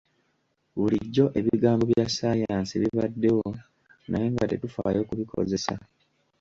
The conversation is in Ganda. Bulijjo ebigambo bya ssaayansi bibaddewo naye nga tetufaayo kubikozesa.